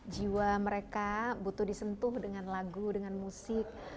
jiwa mereka butuh disentuh dengan lagu dengan musik